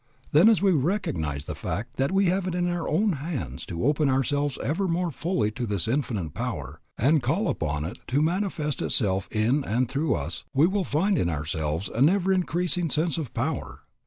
Then, as we recognize the fact that we have it in our own hands to open ourselves ever more fully to this Infinite Power, and call upon it to manifest itself in and through us, we will find in ourselves an ever increasing sense of power.